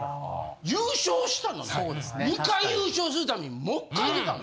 優勝したのに２回優勝するためにもっかい出た。